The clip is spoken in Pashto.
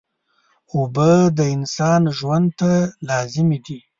اوبه د انسان ژوند ته لازمي دي